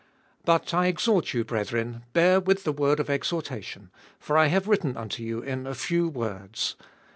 But I exhort you, brethren, bear with the word of exhortation: for I have written unto you in a few words.